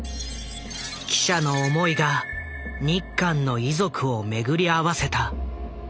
記者の思いが日韓の遺族を巡り合わせた。